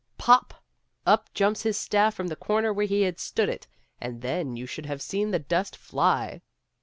Pop !— up jumps his staff from the comer where he had stood it, and then you should have seen the dust fly